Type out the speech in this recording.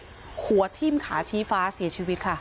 หัวทิ้มขาชี้ฟ้าเสียชีวิตค่ะ